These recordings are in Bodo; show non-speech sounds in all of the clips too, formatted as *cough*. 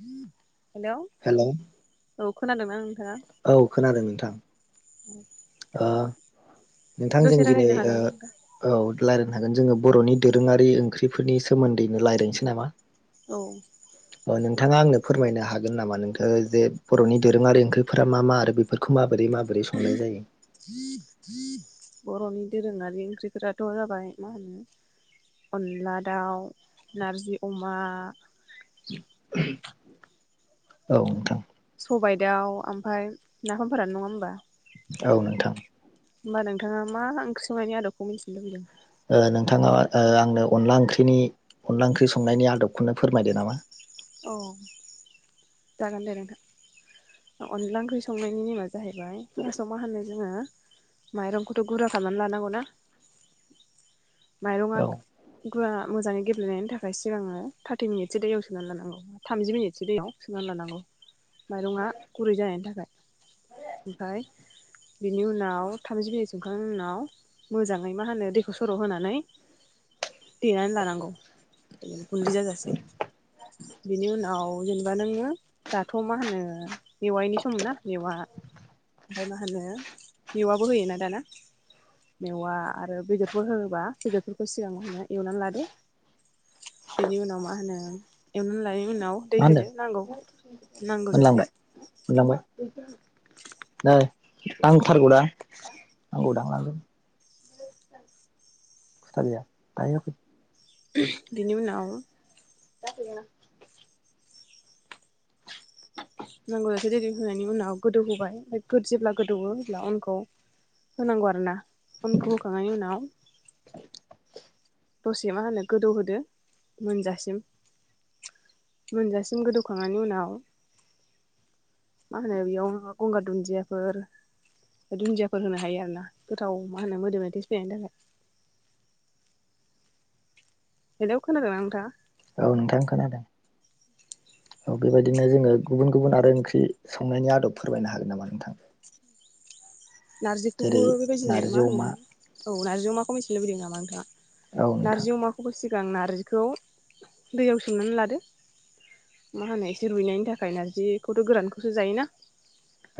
हेलौ हेलौ औ खोनादों ना नों औ खोनादों नोंथां। ओ नोंथां जों दसे दिनै रायलायनो ओ हागोन नोंथां औ रायलायनो हागोन जोंङो बर'नि दोरोंङारि ओंख्रिफोरनि सोमोन्दैनो राय्लायनोसै नामा? औ। अ नोंथाङा आंनो फोरमायनो हागोन नामा नोंथ जे बर'नि दोरोंङारि ओंख्रिफोरा मा मा आरो बेफोरखौ मा बोरै माबोरै संनाय जायो? बर'नि दोरोंङारि ओंख्रिफोराथ' जाबाय मा होनो अनला दाउ, नारजि अमा औ नोंथां। सबायाइ दाउ ओमफाय नाफामफोरानो नंङा होमबा? औ नोंथां। होमबा नोंथांङा मा ओंख्रि संनायनि आदबखौ मिथिनो लुबैदों? ओ नोंथांङा ओ आंनो अनला ओंख्रिनि अनला ओंख्रि संनायनि आदबखौनो फोरमायदो नामा? औ जागोन दे नोंथां। अनला ओंख्रि संनायनि नेमा जाहैबाय फार्स्टआव मा होनो जोंङो माइरंखौथ' गुरा खालामनानै लानांगौ ना। माइरंङा औ गुवा मोजांङै गेब्लेनायनि थाखाय सिगांङो थार्टि मिनिटसो दैयाव सोमनानै लानां गौ थामजि मिनिटसो दैयाव सोमनानै लानांगौ माइरंङा गुरै जानायनि थाखाय। ओमफाय बिनि उनाव थामजि मिनिट सोमखांनायनि उनाव मोजांङै मा होनो दैखौ सर' होनानै देनानै लानांगौ गुन्दै जाजासे बिनि उनाव जेनेबा नोंङो दाथ' मा होनो मेवाइनि सम ना मेवा ओमफाय मा होनो मेवाबो होयोना दाना? मेवा आरो बेदरफोर होबा बेदरफोरखौ सिगां मा होनो एवनानै लादो। बिनि उनाव मा होनो? एवनानै लानायनि उनाव दै मा होनदों होदो नांगौ मोनलांबाय नांगौजासे। मोनलांबाय नै नांथारगौना नांगौदां लांगोन। खुथा गैया दायो होफै। बिनि उनाव दा होफैगोन आं। नांगौ जासे दै होनायनि उनाव गोदौहोबाय ओनफाय जेब्ला गोदौवो अब्ला अनखौ होनांगौ आरो ना अनखौ होखांनायनि उनाव दसे मा होनो गोदौहोदो मोनजासिम। मोनजासिम गोदौखांनायनि उनाव मा होनो बेयाव गंगार दुन्दियाफोर दुन्दियाफोर होनो हायो आरो ना गोथाव मा होनो मोदोमनाय थेस फैनायनि थाखाय। हेलौ खोनादों ना नोंथांआ? औ नोंथां खोनादों। औ बेबायदिनो जोङो गुबुन गुबुन आरो ओंख्रि संनायनि आदब फोरमायनो हागोन नामा नोंथां? *inaudible* नारजिखौबो जेरै बेबायदिनो मा नारजि होनो अमा औ नारजि अमाखौ मोनथिनो लुबैदों नामा नोंथांआ? औ नोंथां नारजि अमाखौबो सिगां नारजिखौ दैयाव सोमनानै लादो मा होनो एसे रुइनायनि थाखाय नारजिखौथ' गोरानखौसो जायोना।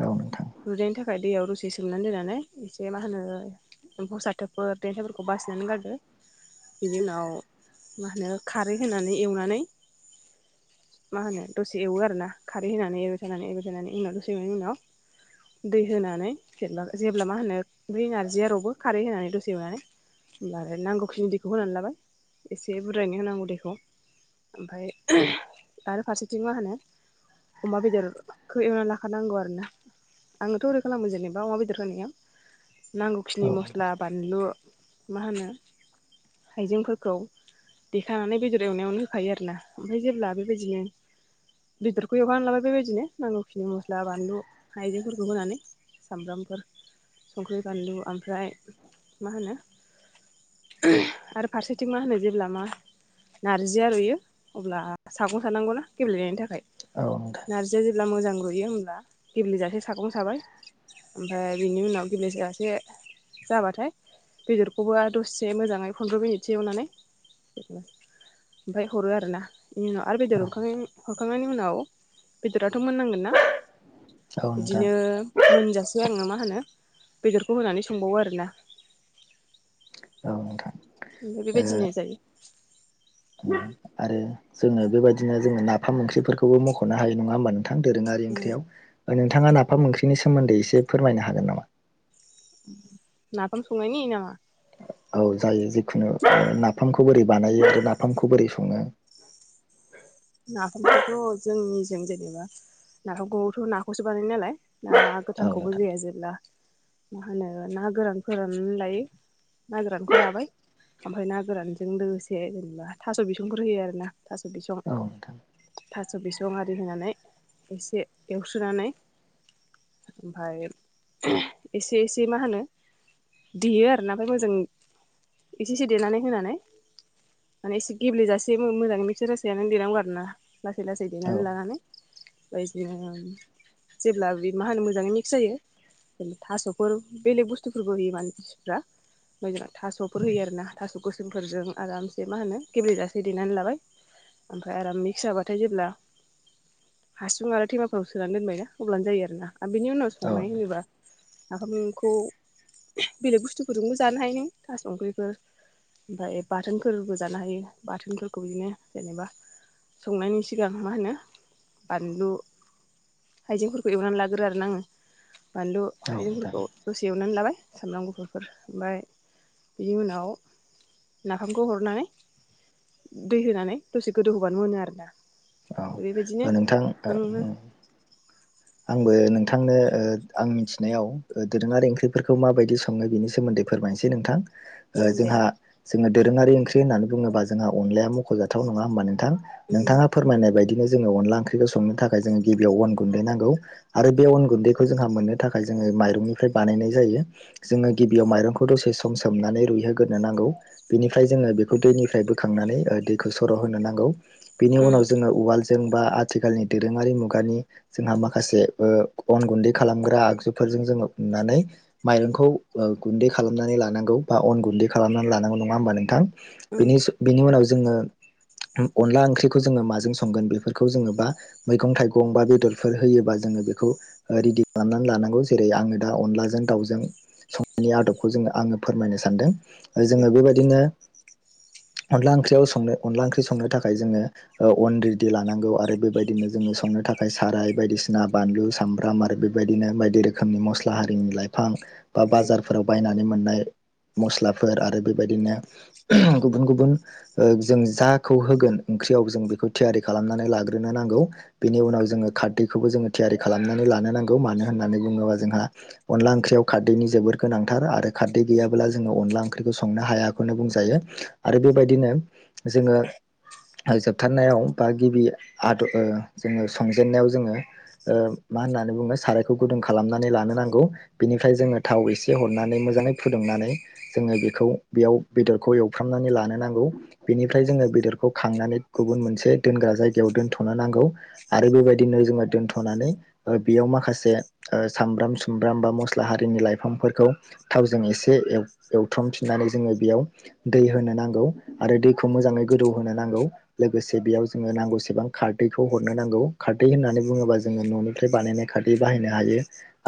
औ नोंथां रुयनायनि थाखाय दैयाव दसे सोमनानै दोननानै एसे मा होनो एम्फौ साथोबफोर देन्थाइफोरखौ बासिनानै गारदो। बिनि उनाव मा होनो खारै होनानै एवनानै मा होनो दसे एवो आरोना खारै होनानै एरबाय थानानै एरबाय थानानै उनाव दसे एवनायनि उनाव दै होनानै जेनेबा जेब्ला मा होनो बे नारजिया रबो खारै होनानै दसे एवनानै होमब्ला नांगौखिनि दैखौ होनानै लाबाय एसे बुरजायैनो होनांगौ दैखौ। ओमफ्राय आरो फारसेथिं मा होनो अमा बेदरखौ एवनानै लाखानांगौ आरो ना, आङोथ' ओरै खालामो जेनेबा दा अमा बेदर होनायाव नांगौखिनि औ नोंथां मस्ला बानलु मा होनो हायजेंफोरखौ देखानानै बेदर एवनायावनो होखायो आरोना ओमफ्राय जेब्ला बेबायदिनो बेदरखौ एवखानानै लाबाय बेबायदिनो नांगौखिनि मस्ला बानलु हाइजेंफोरखौ होनानै। सामब्रामफोर संख्रि बानलु ओमफ्राय मा होनो आरो फारसेथिं मा होनो जेब्ला मा नारजिया रुयो अब्ला सागं सानांगौना गेब्लेनायनि थाखाय। औ नोंथां। नारजिया जेब्ला मोजां रुयो होमब्ला गेब्लेेजासे सागं साबाय। ओमफ्राय बिनि उनाव गेब्ले जासे जाबाथाय बेदरखौबो आरो दसे मोजाङै फन्द्र मिनिटसो एवनानै *unintelligible* ओमफ्राय हरो आरो ना। बेनि उनाव आरो औ बेदरखौ हरखां-हरखांनायनि उनाव बेदराथ मोननांगोन ना। औ नोंथां बिदिनो एसे आङो मा होनो बेदरखौ होनानै संबावो आरोना। औ नोंथां। बेबायदिनो ओ जायो। आरो जोङो बेबायदिनो जोङो नाफाम ओंख्रिफोरखौबो मख'नो हायो नङा होनबा नोंथां दोरोंङारि ओंख्रियाव, नोंथाङा ओंख्रिनि सोमोन्दै एसे फोरमायनो हागोन नामा? नाफाम संनायनि नामा? औ जायो जिखुनु नाफामखौ बोरै बानायो आरो नाफामखौ बोरै सङो। नाफामखौथ' जोंनिथिं जेनेबा नाफामखौथ' नाखौसो बानायो नालाय ना औ गोथांखौबो नोंथां जाया जेब्ला मा होनो ना गोरानफोरनानै लायो। ना गोरानखौ लाबाय ओमफ्राय ना गोरानजों लोगोसे जेनेबा थास' बिसंफोर होयो आरोना, थास' बिसं औ नोंथां थास' बिसं आरि होनानै एसे एवस्रोनानै ओमफ्राय *unintelligible* एसे एसे मा होनो देयो आरोना ओमफ्राय मोजां एसे एसे देनानै होनानै माने एसे गेब्लेेजासे मोजाङै मिक्सार जासेनो देनांगौ आ रोना। लासै लासै औ देनानै लानानै ओमफ्राय बिदिनो जेब्ला बे मा होनो मोजाङै मिक्स जायो थास'फोर बेलेग बुस्थुफोरबो होयो मानसिफ्रा। ओमफ्राय जोंना थास'फोर होयो आरोना? थास' गोसोमफोरजों आरामसे मा होनो गेब्लेजासे देनानै लाबाय। ओमफा फ्राय आराम मिक्स जाबाथाय जेब्ला हासुं आरो थेमाफोराव सोनानै दोनबायना अब्लानो जायो आर ना। आरो बिनि उनाव औ संनाय होनोबा नाफामखौ बेलेग बुस्थुफोरजोंबो जानो हायो नों थास' ओख्रिफोर ओमफ्राय बाथोनफोरबो जानो हायो बाथोनफोरखौ बिदिनो जेनेबा संनायनि सिगां मा होनो बानलु हाइजेंफोरखौ एवनानै लागोरो आरोना आङो? बानलु औ हाइजेंफोरखौ नोंथां दसे एवनानै लाबाय साम्राम गुफुरफोर। ओमफ्राय बिनि उनाव नाफामखौ हरनानै दै होनानै दसे गोदौ होबानो मोनो आरोना? बेबायदिनो औ नोंथां नोंनो आंबो नोंथांनो ओ आं मिथिनायाव ओ दोरोङारि ओंख्रिफोरखौ माबायदि सङो बिनि सोमो न्दै फोरमायसै नोंथां। ओ उम दे जोंहा जोङो दोरोङारि ओंख्रि होननानै बुङोबा जोंहा अनलाया मख'जाथाव नङा होनबा नों थां? उम नोंथाङा फोरमायनाय बायदिनो जोङो अनला ओंख्रिखौ संनो थाखाय जोङो गिबियाव अन गुन्दै नां गौ। आरो बे अन गुन्दैखौ जोंहा मोननो थाखाय जोङो माइरंनिफ्राय बानायनाय जायो। जोङो गिबियाव माइ रंखौ दसे सम सोमनानै रुइहोग्रोनो नांगौ। बेनिफ्राय जोङो बेखौ दैनिफ्राय बोखांनानै ओ दैखौ सर' होनो नांगौ। बिनि उम उनाव जोङो उवालजों बा आथिखालनि दोरोङारि मुगानि जोंहा माखासे ओ अन गुन्दै खालामग्रा आगजुफोरजों जोङो उननानै माइरंखौ ओ गुन्दै खालामनानै लानांगौ बा अन गुन्दै खालामनानै लानांगौ नङा होमबा नोंथां? उम बेनि स बिनि उनाव जोङो अनला ओंख्रिखौ जोङो माजों संगोन बेफोरखौ जोङो बा मैगं थाइगं बा बेदर फोर होयोबा जोङो बेखौ रेडि खालामनानै लानांगौ जेरै आङो दा अनलाजों दाउजों संनायनि आदबखौ जोङो आङो फोरमायनो सानदों। उम जोङो बेबायदिनो *inaudible* *inaudible* अनला ओंख्रियाव संनो अनला ओंख्रि संनो थाखाय जोङो ओ अन रेडि लानांगौ आरो बेबायदिनो जोङो सं नो‌ थाखाय साराय बायदिसिना बानलु सामब्राम आरो बेबायदिनो बायदि रोखोमनि मस्ला हारिनि लाइफां बा उम बाजारफोराव बायनानै मोननाय मस्लाफोर आरो बेबायदिनो गुबुन गुबुन ओ जों जाखौ होगोन ओंख्रियाव जों बेखौ थियारि खालामनानै लाग्रोनो नांगौ। बेनि उनाव जोङो खारदैखौबो जोङो थियारि खालामनानै लानो नांगौ मानो होननानै बुङोबा जोंहा अनला ओंख्रियाव खारदैनि जोबोर गोनांथार आरो खारदै गैयाब्ला जोङो अनला ओं ख्रिखौ संनो हायाखौनो बुंजायो। आरो बेबायदिनो जोङो जोबथारनायाव बा गिबि आद ओ जोङो सं जेन नायाव जोङो ओ मा होननानै बुङो सारायखौ गुदुं खालामनानै लानो नांगौ। बेनिफ्राय जोङो था व एसे हरनानै मोजाङै फुदुंनानै जोङो बेखौ बेयाव बेदरखौ एवफ्रामनानै लानो नांगौ। बेनिफ्राय जोङो बेदरखौ खांनानै गुबुन मोनसे दोनग्रा जायगायाव दोनथ'नो नांगौ। आरो बेबायदिनो जोङो दोनथ'नानै ओ बेयाव माखासे ओ सामब्राम सुमब्राम बा मस्ला हारि नि लाइफांफोरखौ थावजों एसे एव एवथ्रमफिननानै जोङो बेयाव दै होनो नांगौ। आरो दैखौ मोजाङै गोदौ होनोनो नांगौ लोगोसे बेयाव जोङो नांगौसेबां खारदैखौ हरनो नांगौ। खारदै होननानै बुङोबा जोङो न'निफ्राय बानायनाय खारदै बाहायनो हायो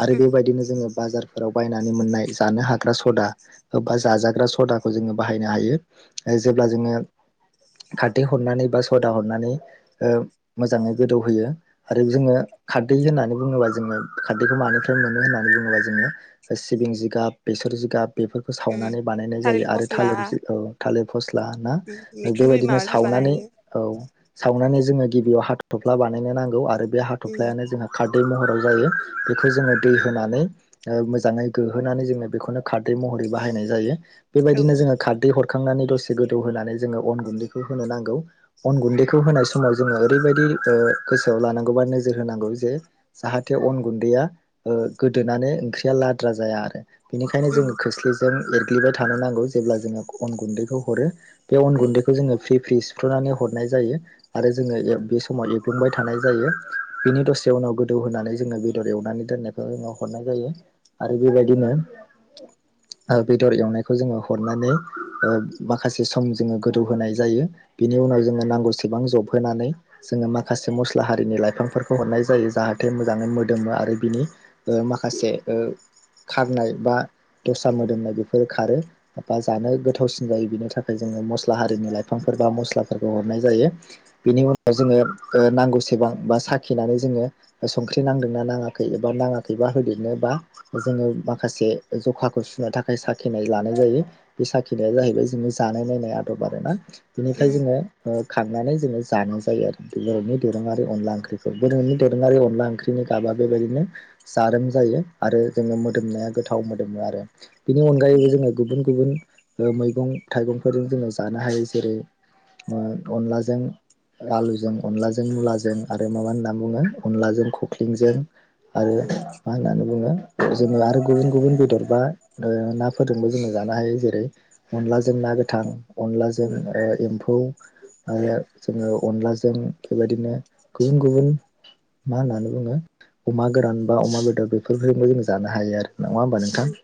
आरो बेबायदिनो जोङो बाजारफोराव बायनानै मोननाय जानो हाग्रा स'दा जाजाग्रा स'दाबो बाहायनो हायो जेब्ला जोङो खारदै हरनानै बा सदा हरनानै ओ मोजाङै गोदौहोयो आरो जोङो खारदै होननानै बुङोब्ला जोङो खारदैखौ मानिफ्राय मोनो होननानै बुङोब्ला जोङो सिबिं जिगाब बेसर जिगाब बेफोरखौ उम सावनानै बानायनाय थालिर जायो आरो फस्ला थालिर थालिर फस्ला मैथ्रु बै बेबायदिनो माबानिफ्राय सावनानै बानायो औ सावनानै जोङो गिबियाव हा थ'फ्ला बानायनो नांगौ आरो बे उम हाथ'फ्लायानो जोंहा खार दै महराव जायो बेखौ जोङो दै होनानै मोजाङै गोहोनानै जोङो बेखौनो खारै महर बाहायनाय जायो औ बेबायदिनो औ जोङो खारदै हर सुखांनानै दसे गोदौ होनानै जोङो अन गुन्दैखौ होनो नांगौ अन गुन्दैखौ होनाय समाव जोङो ओरैबायदि गोसोआव लानांगौ बा नोजोर होनांगौ जे जाहाथे अन गुन्दैया गोदोनानै ओंख्रिया लाद्रा जाया आरो बेनिखायनो उम जोङो खोस्लिजों एरग्लिबाय थानो नांगौ जेब्ला जोङो अन गुन्दैखौ हरो बे अन उम गुन्दैखौ जोङो फ्रि फ्रि सिुफ्र'नानै हरनाय जायो आरो जोङो बे समाव एवग्लुंबाय थानाय जायो। बिनि दसे उनाव गोदौ होनानै जोङो बेदर एवनानै दोननायखौ जोङाव हरनाय जाय जायो आरो बेबायदिनो ओ बेदर एवनायखौ जोङो हरनानै ओ माखासे सम जोङो गोदौ होनोनाय जायो। बिनि उनाव जोङो नांगौसेबां जब होनानै। जोङो माखासे मस्ला हारिनि लाइफांफोरखौ हरनाय जायो। जाहाथे मोजाङै मोदोमो आरो बिनि ओ माखासे ओ खारनाय बा दस्रा मोदोमनाय बेफोरो खारो बा जानो गोथावसिन जायो। बिनि थाखाय जोङो मस्ला हारिनि लाइफांफोर एबा मस्लाफोरखौ हरनाय जायो। बेनि उन जोङो ओ नांगौसेबां बा साखिनानै जोङो ओ संख्रि नांदोंना नाङाखै एबा नाङाखै बा होदेरनोबा जोंङो माखासे ज'खाखो सुनो थाखाय साखिनाय लानाय जायो। साखिनाया जाहैबाय जोङो जानो नायनाय आदब आरोना। बेनिफ्राय उम जोङो खांनानै जानो जायो आरो *unintelligible* नि दोरोङारि अनला ओंख्रिखौ गोदोनि दोरोङारि अनला ओंख्रिनि गाबा बेबायदिनो जा रोम जायो। आरो जोङो मोदोमनाया गोथाव मोदोमो आरो बेनि अनगायैबो उम जोङो गुबुन गुबुन ओ मैगं थाइगंफोरजों जोङो जानो हायो जेरै अन-अनलाजों आलुजों अनलाजों मुलाजों आरो माबा होननानै बुङो अनलाजों खख्लिंजों आरो उम मा होननानै बुङो? जोङो आरो गुबुन गुबुन बेदर बा ओ नाफोरजोंबो जोङो जानो हायो जेरै अनला जों ना गोथां अनलाजों उम ए-एम्फौ आरो जोङो अनलाजों बेबायदिनो गुबुन गुबुन मा होननानै बुङो। अमा गोरान बा अमा बेदर बेफोरजोंबो जों जानो हायो आरो नङा होमबा नोंथां? उम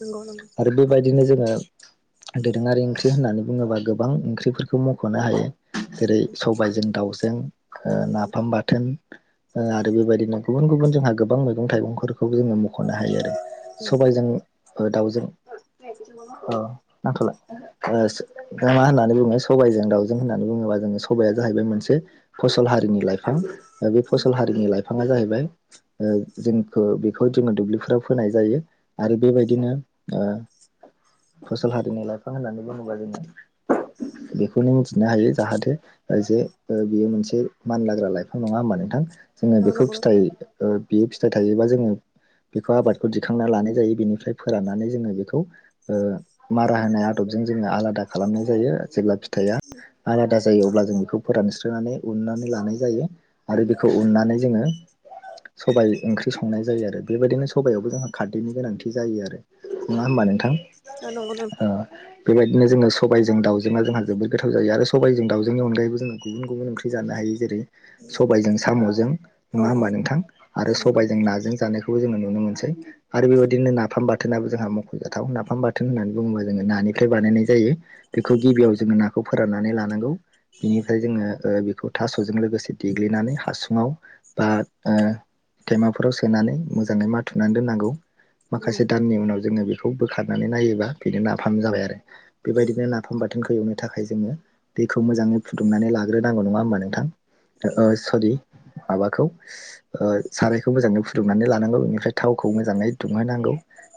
नंगौ नंगौ आरो बेबायदिनो जो ङो दोरोङारि ओंख्रि होननानै बुङोबा गोबां ओंख्रिफोरखौ मख'नो हायो जेरै सबायजों दाउजों ओ उम नाफाम बाथोन ओ आरो बेबायदिनो गुबुन गुबुन जोंहा गोबां मैगं थाइगंफोरखौबो जोङो मख'नो हायो आरो। सबायजों ओ दाउजों अ' नांथ'ला ओ सो मा होननानै बुङो सबायजों दाउजों होननानै बुङोबा जोङो स सबाया जाहैबाय मोनसे फसल हारिनि लाइफां ओ बे फसल हारिनि लाइफाङा जाहैबाय ओ जोंखो बेखौ जोङो दुब्लिफोराव फोनाय जायो। आरो बेबायदिनो ओ फसल हारिनि लाइफां होननानै बुङोबा जोङो‌। बेखौनो मिथिनो हायो जाहाथे ओ जे ओ बियो मोनसे मान लाग्रा लाइफां नङा होमबा नोंथां? जोङो औ बेखौ नंगौ नंगौ फिथाइ बियो फिथाइ थायोबा जोङो बेखौ आबादखौ दिखांना लानाय जायो। बेनिफ्राय फोराननानै जोङो बेखौ ओ मारा होनाय आदब जों जोंङो आलादा खालामनाय जायो। जेब्ला फिथाया आलादा जायो अब्ला जों बेखौ फोरानस्रांनानै उननानै लानाय जायो। आरो बेखौ उननानै जोङो सबाय ओंख्रि संनाय जायो। आरो बेबायदिनो सबयावबो जोंहा खारदैनि गोनांथि जायो आरो नङा होमबा नोंथां? आरो नंगौ दां ओ बेबायदिनो जोङो सबायजों दाउजोङा जोंहा जोबोद गोथाव जायो आरो सबायजों दाउ जोंनि अनगायैबो जों गुबुन गुबुन ओंख्रि जानो हायो। जेरै सबायजों साम'जों नङा औ औ होमबा नोंथां आरो उम सबायजों नाजों जानायख खौ जों नुनो मोनसै आरो बेबायदिनो नाफाम बाथोनाबो जोंहा मख'जाथाव नाफाम बाथोन होननानै बुङोबा जोङो नानि - निफ्राय बानायनाय जायो। बेखौ गिबियाव जोङो नाखौ फोराननानै लानांगौ। बिनिफ्राय जोङो ओ बेखौ थास'जों लोगोसे देग्लिनानै हासुङाव बा ओ थेमाफोराव सोनानै मोजाङै माथुनानै दोननांगौ। उम माखासे दाननि उनाव जोङो बेखौ बोखारनानै नायोबा बेनो नाफाम जाबाय आरो। उम बेबायदिनो नाफाम बाथोनखौ एवनो थाखाय जोङो दैखौ मोजाङै फुदुंनानै लाग्रोनांगौ नङा होमबा नोंथां? औ अ' सरि माबाखौ ओ सारायखौ मोजाङै फुदुंनानै लानांगौ इनिफ्राय थावखौ मोजाङै दुंहोनांगौ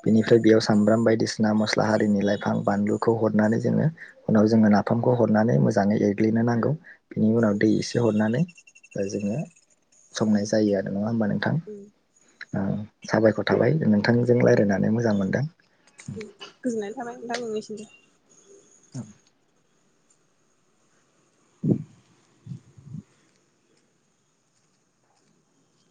बेनिफ्राय बेयाव सामब्राम बायदिसि बिसिना मसला हारिनि लाइफां बानलुखौ हरनानै जोङो उनाव जोङो नाफामखौ हरनानै मोजाङै *unintelligible* गलैनो नांगौ बिनि उनाव दै एसे हरनानै जोङो संनाय जायो आरो नङा होमबा नोंथां उम साबायखर थाबाय नोंथांजों रायज्लायनानै मोजां मोनदों। गोजोननाय थाबाय नोंथां नोंनिसिम *inaudible* *inaudible*